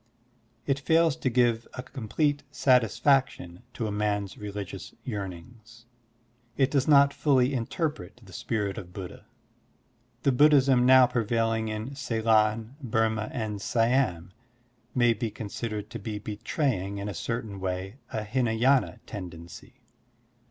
It fails to give a complete satisfaction to a man's religious yearnings. It does not fully interpret the spirit of Buddha. The Buddhism now prevailing in Ceylon, Burma, and Siam may be considered to be betraying in a certain way a Hinay^na tendency.